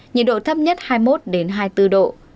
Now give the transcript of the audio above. nhiệt độ thấp nhất hai mươi một hai mươi bốn độ